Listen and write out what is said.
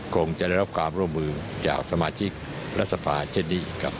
คงจะได้รับความร่วมมือจากสมาชิกรัฐสภาเช่นนี้ครับ